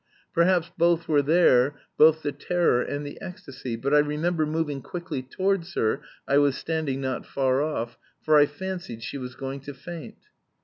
Perhaps both were there, both the terror and the ecstasy. But I remember moving quickly towards her (I was standing not far off), for I fancied she was going to faint.